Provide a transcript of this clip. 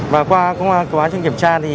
và qua công án kiểm tra